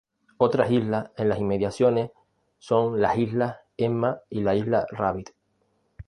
Otras islas en las inmediaciones son las isla Emma y la isla Rabbit.